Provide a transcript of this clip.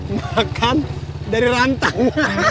makan dari rantangnya